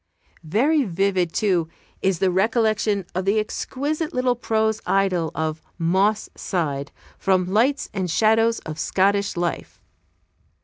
Very vivid, too, is the recollection of the exquisite little prose idyl of "Moss Side," from "Lights and Shadows of Scottish Life."